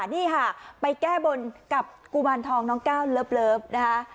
นี่ค่ะไปแก้บนกับกุมารทองน้องก้าวเลิฟนะคะ